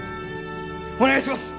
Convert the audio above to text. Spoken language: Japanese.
お願いします！